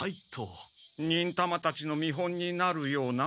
忍たまたちの見本になるような？